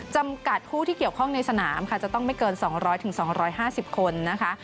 จำกัดผู้ที่เกี่ยวข้องในสนามค่ะจะต้องไม่เกิน๒๐๐๒๕๐คนนะคะ